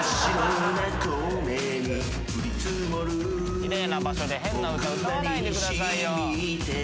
奇麗な場所で変な歌歌わないでくださいよ。